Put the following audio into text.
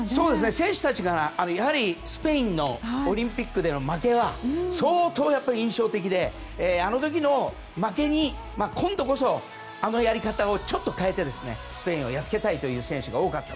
選手たちがやはりスペインのオリンピックでの負けが相当、印象的であの時の負けがあるので今度こそ、あのやり方をちょっと変えてスペインをやっつけたいという選手が多かった。